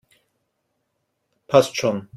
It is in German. Passt schon!